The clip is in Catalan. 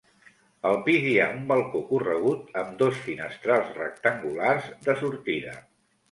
Al pis hi ha un balcó corregut amb dos finestrals rectangulars de sortida.